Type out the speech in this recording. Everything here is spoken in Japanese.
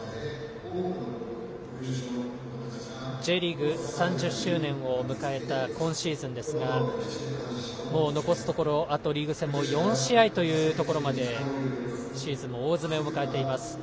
Ｊリーグ３０周年を迎えた今シーズンですがもう残すところ、あとリーグ戦も４試合というところまでシーズンも大詰めを迎えています。